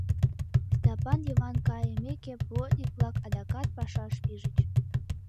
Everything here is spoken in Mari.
Стапан Йыван кайымеке, плотник-влак адакат пашаш пижыч.